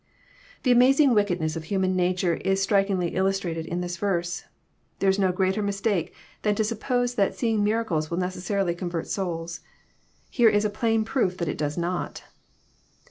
The amazing wickedness of human nature is strikingly Illus trated in this verse. There is no greater mistake than to sup pose that seeing miracles will necessarily convert souls. Here is a plain proof that it does not.